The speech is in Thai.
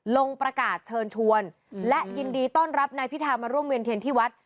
ลงประกาศเชิญชวนและยินดีต้อนรับนายพิธามาร่วมเวียนเทียนที่วัด